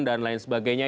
dan lain sebagainya